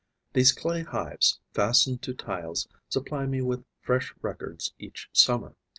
These clay hives fastened to tiles supply me with fresh records each summer.